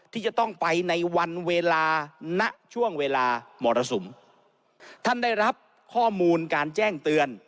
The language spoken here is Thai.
ที่จะต้องไปในวันเวลาณช่วงเวลามรสุมท่านได้รับข้อมูลการแจ้งเตือน